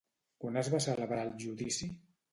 Quan es va celebrar el judici?